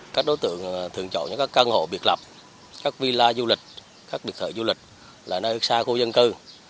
các đối tượng thường chọn những căn hộ biệt lập các villa du lịch các biệt thự du lịch là nơi xa khu dân cư